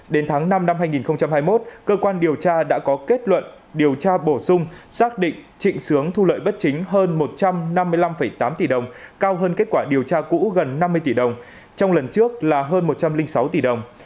đến tháng năm năm hai nghìn hai mươi một cơ quan điều tra đã có kết luận điều tra bổ sung xác định trịnh sướng thu lợi bất chính hơn một trăm năm mươi năm tám tỷ đồng cao hơn kết quả điều tra cũ gần năm mươi tỷ đồng trong lần trước là hơn một trăm linh sáu tỷ đồng